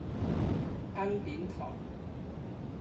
恩典堂。